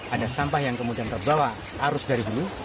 ada sampah yang kemudian terbawa arus dari dulu